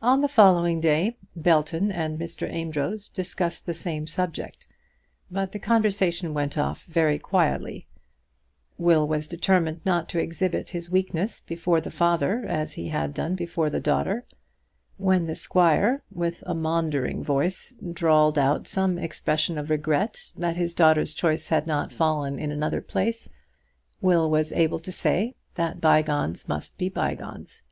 On the following day Belton and Mr. Amedroz discussed the same subject, but the conversation went off very quietly. Will was determined not to exhibit his weakness before the father as he had done before the daughter. When the squire, with a maundering voice, drawled out some expression of regret that his daughter's choice had not fallen in another place, Will was able to say that bygones must be bygones.